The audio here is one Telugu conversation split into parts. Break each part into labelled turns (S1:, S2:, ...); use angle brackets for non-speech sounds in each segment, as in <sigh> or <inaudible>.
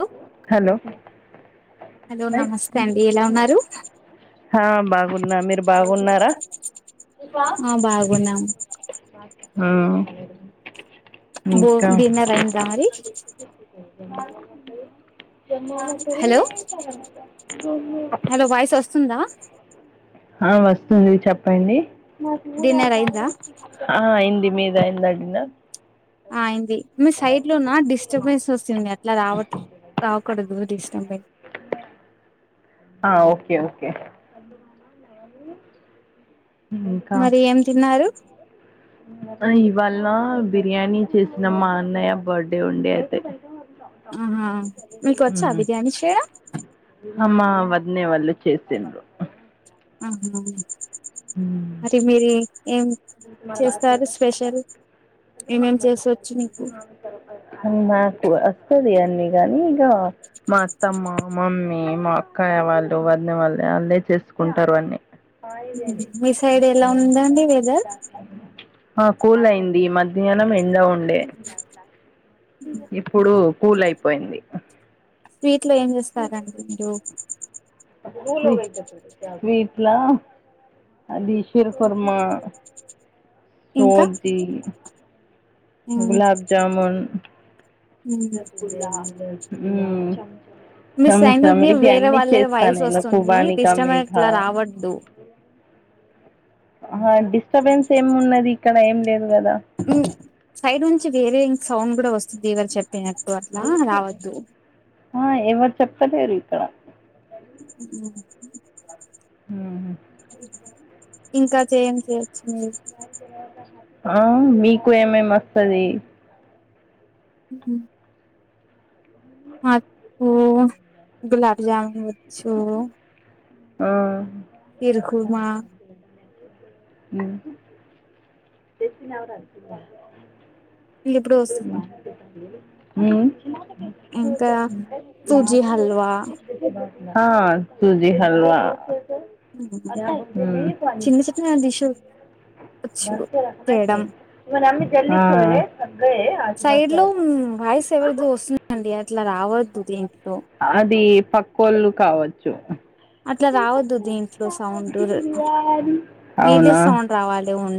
S1: హలో
S2: హలో
S1: హలో నమస్తే అండి ఎలా ఉన్నారు
S2: హా బాగున్నా మీరు బాగున్నారా
S1: ఆ బాగున్నాం
S2: హ్మ్
S1: బో
S2: ఇంకా
S1: డిన్నర్ అయిందా మరి
S2: జరం
S1: హలో
S2: మాత్ర
S1: హలో వాయిస్ వస్తుందా
S2: ఆ వస్తుంది చెప్పండి నాకు
S1: డిన్నర్ అయిందా
S2: ఆ అయింది మీదయ్యిందా వదిన
S1: ఆ అయింది సైడ్ లోన్న డిస్టర్బెన్స్ వస్తుంది అట్లా రావట్లే రావకూడదు డిస్టర్బన్స్
S2: ఆ ఓకే ఓకే ఇంకా
S1: మరి ఏం తిన్నారు
S2: ఇవాళ బిర్యానీ చేసినామ్ మా అన్నయ్య బర్త్డే ఉండి అయితే
S1: ఆహా మీకు వచ్చా బిర్యానీ చేయడం
S2: ఆ మా వదినే వాళ్ళు చేసిండ్రు
S1: ఆహా మరి మీరి ఏం
S2: <inaudible>
S1: చేస్తారు స్పెషల్ ఏమేం చేసొచ్చు మీకు
S2: అన్నాకుస్త ది అన్న కానీ ఇక మా అత్తమ్మ మమ్మీ మా అక్కాయ వాళ్ళు వదిన వాళ్ళు వాళ్ళే చేసుకుంటారు అన్నీ
S1: హ్మ్ మీ సైడ్ ఎలా ఉందండి వెద
S2: ఆ కూల్ అయింది మధ్యాహ్నం ఎండ ఉండే ఇప్పుడు కూల్ అయిపోయింది
S1: స్వీట్ లో ఏం చేస్తారండి మీరు
S2: స్వీట్ స్వీట్లా ఆ డిష్ శరుకుర్మా
S1: ఇంకా
S2: సోజీ
S1: ఉమ్
S2: గులాబ్ జామున్
S1: ఉమ్
S2: హ్మ్
S1: మీ సైడ్
S2: చంచం
S1: నుండి
S2: ఇది
S1: వేరే
S2: అన్ని
S1: వాళ్ళ
S2: చేస్తా
S1: వాయిస్
S2: నేను
S1: వస్తుంది
S2: కుబానిగా
S1: డిస్టర్బ్
S2: మీతా
S1: ఇట్లా రావద్దు
S2: ఏమి ఉన్నది ఇక్కడ ఏం లేదు కదా
S1: హ్మ్ సైడ్ నుంచి వేరే సౌండ్ కూడా వస్తుంది ఏదైనా చెప్తే
S2: ఆ ఎవరు చెప్పలేరు ఇక్కడ
S1: <inaudible> ఇంకా చేం చేయొచ్చు మీరు
S2: ఆ మీకు ఏమేమి వస్తది
S1: <inaudible> నాకు గులాబ్ జామున్ వచ్చు
S2: ఆ
S1: ఇరుకుుమా
S2: తెప్పరు అ
S1: ఇప్పుడు ఇంకా
S2: అ లా
S1: సూజీ హల్వా
S2: హా సుజీ హల్వా
S1: చిన్న చిట్న దిషూ
S2: భర్చ రా కొన్నా మరి అమ్ జల్లీ స
S1: సైడ్
S2: ఆసబాటు
S1: లో వాయిస్ ఎవరిది వస్తుందండి అట్లా రావద్దు ద ఏంటి
S2: అది పక్కళ్ళు కావచ్చు
S1: అట్లా రావద్దు దీంట్లో సౌండ్ మీదే
S2: అవునా
S1: సౌండ్ రావాలి ఉం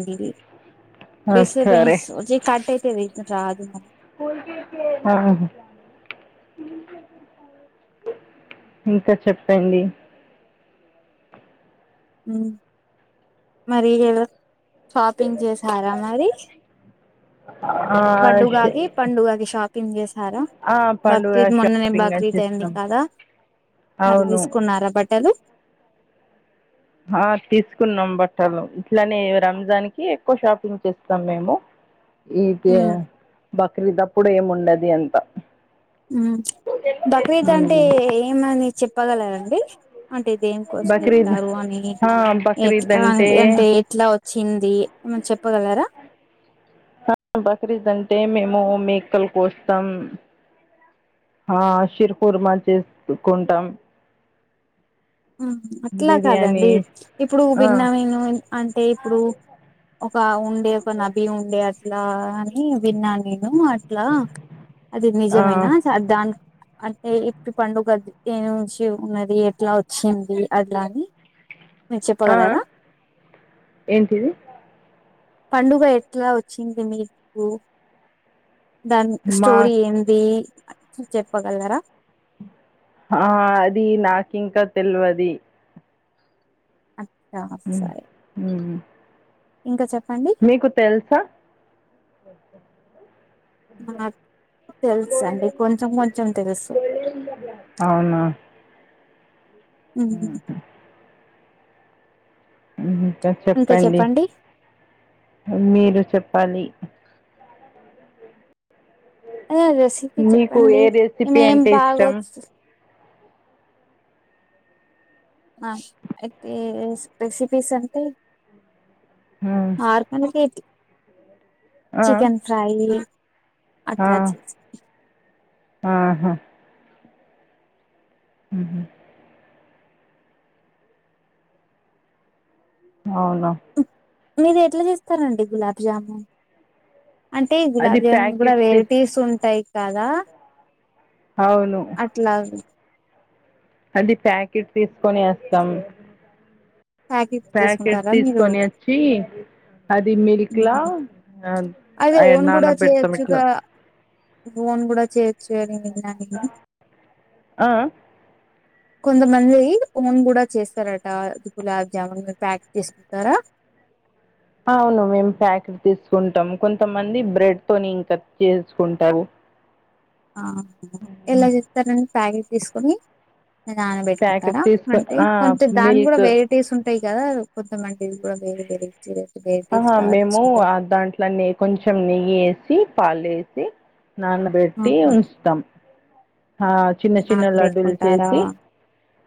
S2: ఆ, సరే
S1: డిస్టర్బెన్స్ వచ్చి కట్ అయితే రాదు మ
S2: ఆ ఇంకా చెప్పండి
S1: మరి షాపింగ్ చేసారా మరి
S2: ఆ, ష-
S1: పండుగకి పండుగకి షాపింగ్ చేసారా
S2: ఆ, పండుగ
S1: బక్రీద్ మొన్ననే
S2: షాపింగ్
S1: బక్రీద్ అడి
S2: వచ్చేసినాం
S1: కాదా మరి
S2: అవును
S1: తీసుకున్నారా బట్టలు
S2: ఆ తీసుకున్నాం బట్టలు ఇట్లానే రంజాన్ కి ఎక్కువ షాపింగ్ చేస్తాం మ ఇది బక్రీదప్పుడు ఏము ఉండది అంత
S1: బక్రీద్ అంటే ఏమని చెప్పగలరండి అంటే ఇదిేం కోసం
S2: బక్రీద్
S1: ఇస్తారు అని
S2: ఆ బక్రీద్
S1: ఎట్లా అంటే ఎట్లా వచ్చింది ఏమనా చెప్పగలరా
S2: బక్రీద్ అంటే మేము మేక్కలు కోస్తాం ఆ షిర్పూర్మా చేసుకుంటాం
S1: అట్లా
S2: బిర్యానీ
S1: కాదండి ఇప్పుడు
S2: ఆ
S1: విన్న విను అంటే ఇప్పుడు ఒక ఉండే ఒక నబీ ఉండే అట్లా అని విన్నాను నేను అట్లా అది
S2: ఆ
S1: నిజమైన దానికి అంటే ఎప్పటి పండుగ గద్ద నుంచి ఉన్నది ఎట్లా వచ్చింది అట్లాని
S2: ఆ ఏంటిది
S1: పండుగ ఎట్లా వచ్చింది మీకు దాని
S2: మా
S1: స్టోరీ ఏంది చెప్పగలరా
S2: ఆ అది నాకి ఇంకా తెలియది
S1: అ ఇంకా చెప్ప
S2: మీకు తెలుసా
S1: నా తెలుసు అండి కొంచెం కొంచెం తెలుసు
S2: అ ఇ ఇంకా చెప్పండి మీరు చెప్పాలి
S1: అదే రెసిపీ
S2: మీకు
S1: చెప్పండి
S2: ఏ రెసిపీ
S1: మమేం
S2: అంటే ఇష్టం
S1: బాగొచ్చు ఇతే రెసిపీస్ సంట
S2: మ్మ్.
S1: ఆర్కనకితే
S2: ఆ,
S1: చికెన్ ఫ్రై
S2: ఆ,
S1: అట్లా చేసి
S2: ఆహా అ అవునా
S1: మీరు ఎట్లా చేస్తారండి గులాబ్జామున్ అంటే జ
S2: అది
S1: గులాబ్ జాన్ కూడా
S2: ప్యాకెట్ తీస్-
S1: వెరటీస్ ఉంటాయి కదా
S2: అవును
S1: అట్లావి
S2: అది ప్యాకెట్ తీసుకొని వేస్తాం ప్యాకెట్
S1: తీసుకుంటారా మీరు
S2: తీసుకొని వచ్చి అది మిల్క్ లా
S1: అదే ఓన్
S2: నాన
S1: కూడా
S2: పెడతాం ఇట్లా
S1: చేయొచ్చుగా ఓన్ కూడా చేయొచ్చు కదా అనిన్న నేను
S2: ఆ,
S1: కొంతమంది ఓన్ కూడా చేస్తారట గులాబ్ జామున్ ప్యాక్ చేసుకుంటారా
S2: అవును మేము ప్యాకెట్ తీసుకుంటాం కొంతమంది బ్రెడ్ తోని ఇంకా చేసుకుంటావు
S1: ఆ ఎలా చెప్తారండి ప్యాకెట్ తీసుకుని నాన
S2: ప్యాకెట్
S1: పెట్టుకుంటారా
S2: తీసుకు
S1: అంటే కొంచెం దాని కూడా
S2: మిల్క్
S1: వెరైటీస్ ఉం టయి కదా కొంతమంటిది కూడా వేరే వేరే వెరైటీస్
S2: ఆహా
S1: లాగా
S2: మేము
S1: చేసుకుంటారు
S2: ఆ దాంట్లోనే కొంచెం నెయ్యి వేసి పాలు వేసి నాన బెట్టి ఉంచుతాం ఆ చిన్న చిన్న లడ్డూలు
S1: నానబెట్టుకుంటారా
S2: చేసి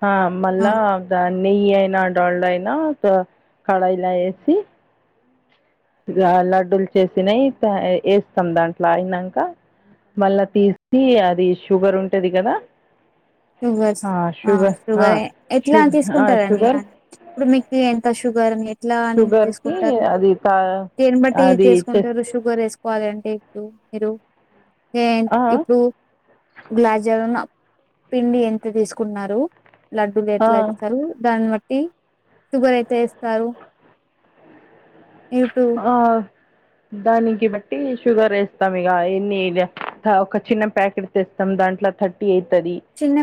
S2: ఆ మళ్ళా దాని నెయ్యి అయినా డాల్డా అయినా కడాయిలా వేసి లడ్డూలు చేసినయి వేస్తాం దాంట్లో అయినాంక మళ్ళా తీసి అది షుగర్ ఉంటది కదా
S1: షుగర్ ఆ షుగర్
S2: షు
S1: ఎట్లా
S2: ఆ!
S1: తీసుకుంటారండి
S2: షుగర్
S1: అని ఇప్పుడు మీకు ఎంత షుగర్ మీ ఎట్లా అని
S2: షుగర్‌కి
S1: చేసుకుంటార
S2: అది తా
S1: దేన్నీ బట్టి
S2: అది చెస్
S1: తీసుకుంటారు షుగర్ వేసుకు కోవాలంటే ఇప్పుడు మీరు
S2: ఆ!
S1: ఇప్పుడు గులాబ్ జామున్ పిండి ఎంత తీసుకున్నారు లడ్డులు
S2: ఆ!
S1: ఎట్లా
S2: ఆ!
S1: చేస్తారు దాన్ని బ ట్టి షుగర్ అయితే వేస్తారు ఇప్పుడు
S2: ఆ దానికి బట్టి షుగర్ వేస్తాం ఇక ఎన్ని ఒక చిన్న ప్యాకెట్ తెస్తాం దాని అట్లా థర్టీ ఎయిట్
S1: చిన్న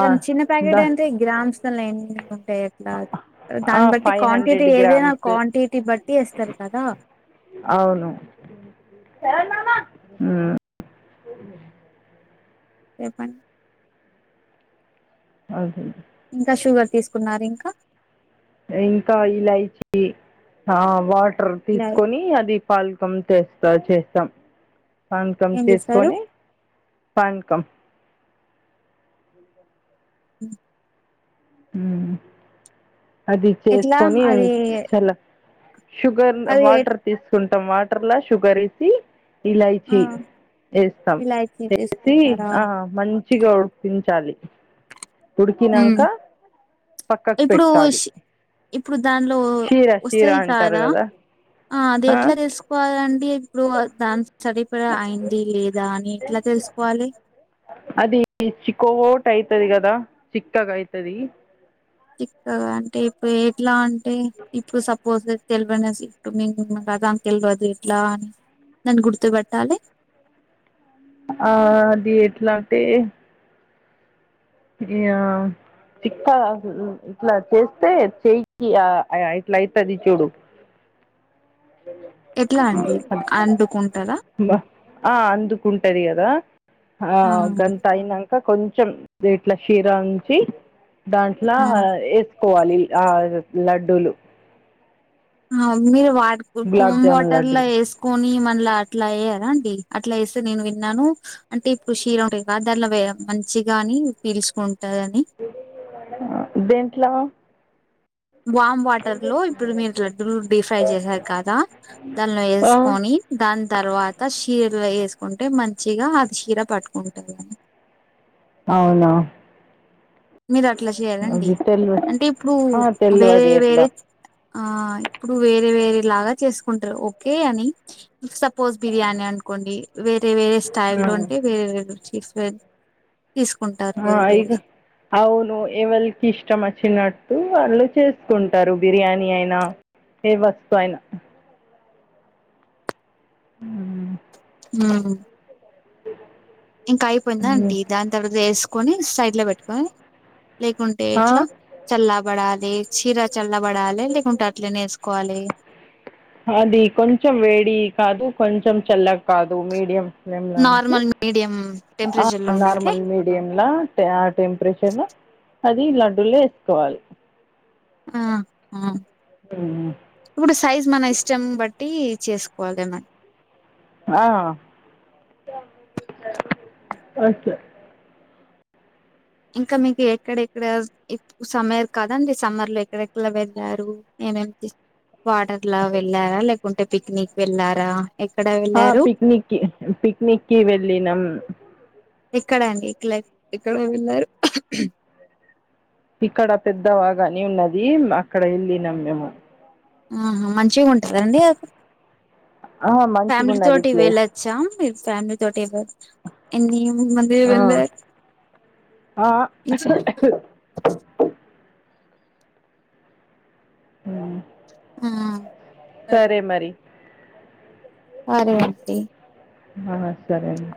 S1: ద చిన్న ప్యాకెట్
S2: దా
S1: అయింటే గ్రామ్స్ లల్లో ఎన్ని ఉంటాయి అలా దాన్ని బట్టి
S2: ఫైవ్
S1: క్వాంటిటీ
S2: హండ్రెడ్
S1: ఏదైనా
S2: గ్రామ్స్
S1: క్వాంటిటీ బట్టి ఏస్తారు కదా
S2: అవును ఉమ్
S1: చెప్పండి
S2: అదే
S1: ఇంకా షుగర్ తీసుకున్నారా ఇంకా
S2: ఇంకా ఇలాయిచి ఆ వాటర్
S1: ఇలా
S2: తీసుకొని అది పాలకం తెస్తా చేస్తాం పానకమ్
S1: ఏం చేస్తారు
S2: చేసుకొని పాన్ కమ్
S1: ఉమ్
S2: ఉమ్ అది
S1: ఎట్లా
S2: చేసుకొని
S1: అది
S2: చాలా షుగర్
S1: అది
S2: వాటర్ తీసుకుంటాం వాటర్లా షుగర్ వేసి
S1: ఆ
S2: ఇలైచి వేస్తాం
S1: ఇలాచి
S2: వేసి
S1: తీసుకుంటారా
S2: ఆ మంచిగా ఉడికించాలి
S1: ఉమ్
S2: ఉడికినాంక పక్కకు
S1: ఇప్పుడు
S2: పెట్టాలి
S1: ఇప్పుడు దానిలో
S2: షీర షీర
S1: వస్తాయి
S2: అంటారు
S1: కాదా
S2: కదా
S1: ఆ అది ఎట్లా తీసుకోవాలండి ఇప్పుడు దాని సరిపడ అయింది లేదా అని ఎట్లా తెలుసుకోవాలి
S2: అది చిక్క ఓట్ అయితది కదా చిక్కగా అయితది
S1: చిక్కగా అంటే ఇప్పుడు ఎట్లా అంటే ఇప్పుడు సప్ పోస్ తెల్వనే <unintelligible> తెల్వదు ఇట్లా నను గురుతుబట్టాలి
S2: ఆ అది ఎట్లా అంటే యా చిక్కా ఇట్లా చేస్తే చేయికి ఇట్లా అయితది చూడు
S1: ఎట్లా అండి అండుకుంటారా
S2: <inaudible> బ ఆ అందుకుంటది కదా ఆ గంతా అయినాక ఇకా కొంచెం ఇట్లా క్షీరాంచి దాంట్లో
S1: ఆ
S2: వేసుకోవాలి ఆ లడ్డూలు
S1: మమ్మీ వా
S2: గులాబ్
S1: కోమ్
S2: జామున్
S1: వాటర్ లో
S2: లడ్డూలు
S1: వేసుకొని మ అట్లా అట్లా ఎయ్యాలా అండి అట్లా వేస్తే నేను విన్నాను అంటే ఇప్పుడు క్షీరం లో <unintelligible> మంచి గాని పీలుచకుంట
S2: దేంట్లో
S1: వామ్ వాటర్ లో ఇప్పుడు మీరు లడ్డూలు డీ ఫ్రై చేసారు కదా దానిలో
S2: ఆ
S1: వేసుకొని దాని తర్వాత చీరలో వేసుకుంటే మంచిగా అది చీర పట్టుకుంటుంది కాని
S2: అవునా
S1: మీరు అట్లా చేయ్యాలండి
S2: అది తెల్వ
S1: అంటే ఇప్పుడు
S2: ఆ
S1: వేరే
S2: తెల్వది
S1: వేరే
S2: ఎట్లా
S1: ఆ ఇప్పుడు వేరే వేరే లాగా చేసుకుంటారు ఓకే అని పోజ్ బిర్యానీ అనుకోండి వేరే వేరే స్టైల్లో ఉంటే వేరే వేరే చస్ తీసుకుంటారు
S2: ఆ
S1: వేరు
S2: ఇక
S1: వేరు
S2: అవును ఎవరికి ఇష్టం వచ్చినట్టు వాళ్ళు చేసుకుంటారు బిర్యానీ అయినా ఏ వస్తు అయినా హ్మ్మ్
S1: హ్మ్మ్ ఇంకా అయిపోయిందా అండి దాని తర్వాత వేసుకొని సైడ్ లో పెట్టుకొని లేకుంటే
S2: ఆ
S1: ఎట్లా చల్లాబడాలి చీర చల్లబడాలి లేకుంటే అట్లేనే వేసుకోవాలి
S2: అది కొంచెం వేడి కాదు కొంచెం చల్లకు కాదు మీడియం ఫ్లేమ్లో ఉంచి
S1: నార్మల్ మీడియంమ్
S2: ఆ నార్మల్ మీడియంంలా టెంపరేచర్ లా అది లడ్డుల్లో వేసుకోవాలి
S1: ఆ ఆహ్
S2: మ్మ్.
S1: ఇప్పుడు సైజ్ మన ఇష్టం బట్ బట్టి చేసుకోవాలి మని
S2: ఆ అ
S1: ఇంకా మీకు ఎక్కడెక్కడ సమ్మర్ కదండి సమ్మర్ లో ఎక్కడెక్కడ వెళ్ళారు <unintelligible> వాటర్ లో వెళ్ళారా లేకుంటే పిక్నిక్ వెళ్ళారా ఎక్కడ
S2: ఆ
S1: వెళ్ళారు
S2: పిక్నిక్ పిక్నిక్కిి వెళ్ళినం
S1: ఇక్కడ అండి ఇక్కలా ఇక్కడ వెళ్ళారు
S2: ఇక్కడ పెద్దవాగాని ఉన్నది అక్కడ వెళ్ళిన మేము
S1: ఉహూ మంచిగా ఉంటుందండి అక్కడ
S2: ఆ, మంచిగా
S1: ఫ్యామిలీ
S2: ఉన్నది
S1: తోటి
S2: ప్లేస్
S1: వెళ్ళచ్చా మీ ఫ్యామిలీ తోటి ఎన్ని మంది
S2: ఆ,
S1: వెళ్ళ
S2: ఆ. హ్మ్మ్
S1: హ్మ్మ్ సరే
S2: మరి
S1: సరే ఆంటీ
S2: ఆ సరేండి